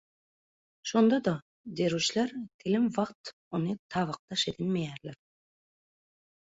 Şonda-da derwüşler telim wagt ony tabakdaş edinmeýärler